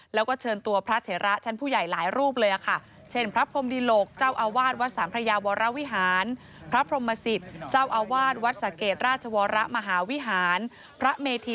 แล้วก็เชิญตัวพระเถระชั้นผู้ใหญ่หลายรูปเลยค่ะ